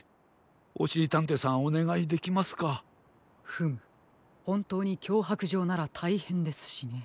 フムほんとうにきょうはくじょうならたいへんですしね。